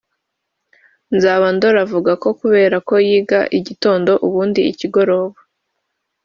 Nzabandora avuga ko kubera ko yiga igitondo ubundi ikigoroba